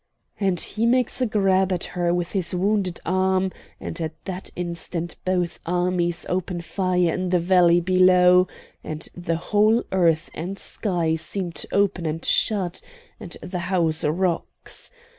And he makes a grab at her with his wounded arm, and at that instant both armies open fire in the valley below, and the whole earth and sky seem to open and shut, and the house rocks.